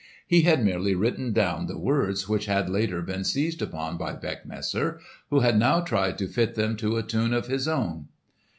He had merely written down the words which had later been seized upon by Beckmesser, who had now tried to fit them to a tune of his own.